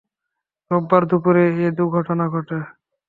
রোববার দুপুরে এ দুর্ঘটনা ঘটে।